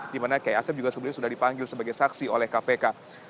di mana kiai asep juga sebelumnya sudah dipanggil sebagai saksi oleh kpk